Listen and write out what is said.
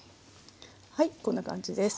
はいこんな感じです。